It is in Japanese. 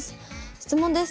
質問です。